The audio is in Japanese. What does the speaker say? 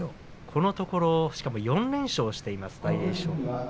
このところしかも４連勝しています、大栄翔。